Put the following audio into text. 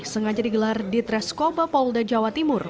sengaja digelar di treskoba polda jawa timur